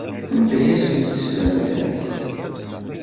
Anda ay asen-teslemdem?